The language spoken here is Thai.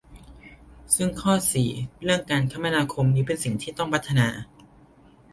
ซึ่งข้อ สี่ เรื่องการคมนาคมนี้เป็นสิ่งที่ต้องพัฒนา